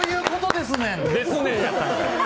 ですねんやったんかい！